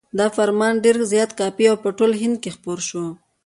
دا فرمان ډېر زیات کاپي او په ټول هند کې خپور شو.